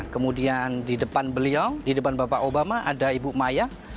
kemudian di depan beliau di depan bapak obama ada ibu maya